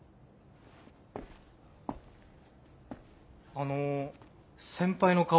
あの先輩の顔